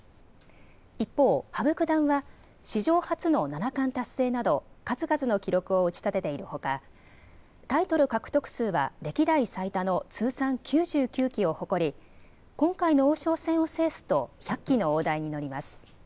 一方、羽生九段は史上初の七冠達成など数々の記録を打ち立てているほか、タイトル獲得数は歴代最多の通算９９期を誇り今回の王将戦を制すと１００期の大台に乗ります。